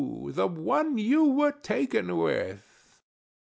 the one you were taken with.